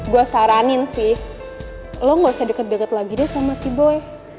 gue saranin sih lo gak usah deket deket lagi deh sama si boy